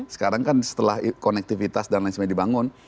sekarang kan setelah konektivitas dan lain sebagainya dibangun